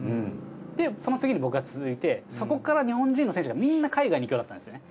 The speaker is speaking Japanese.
でその次に僕が続いてそこから日本人の選手がみんな海外に行くようになったんですね。